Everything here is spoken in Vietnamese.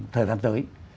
thời gian tới